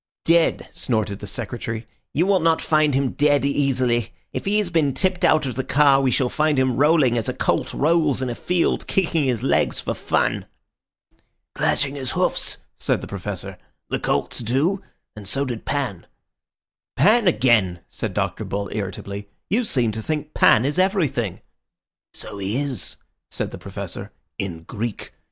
"Dead!" snorted the Secretary. "You will not find him dead easily. If he has been tipped out of the car, we shall find him rolling as a colt rolls in a field, kicking his legs for fun." "Clashing his hoofs," said the Professor. "The colts do, and so did Pan." "Pan again!" said Dr. Bull irritably. "You seem to think Pan is everything." "So he is," said the Professor, "in Greek.